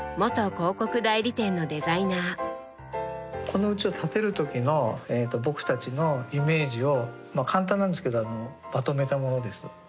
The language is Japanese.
この家を建てる時の僕たちのイメージを簡単なんですけどまとめたものです。